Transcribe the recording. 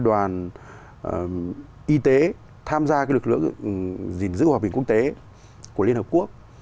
một đoàn y tế tham gia cái lực lượng gìn giữ hòa bình quốc tế của liên hợp quốc